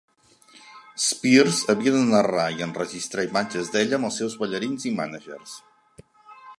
Spears havia de narrar i enregistrar imatges d'ella amb els seus ballarins i mànagers.